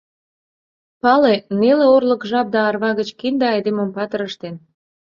— Пале, неле орлык жап да арва гыч кинде айдемым патыр ыштен!